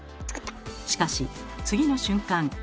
しかし次の瞬間